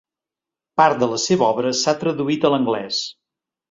Part de la seva obra s'ha traduït a l'anglès.